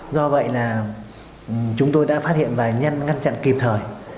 do vậy là chúng tôi đã phát hiện vài nhân ngăn chặn kịp thời